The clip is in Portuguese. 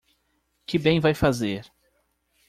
Que bem vai fazer?